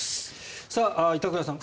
板倉さん